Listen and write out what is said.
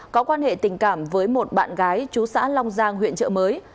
có quan hệ tình cảm với một bạn gái chú xã long giang huyện trợ mới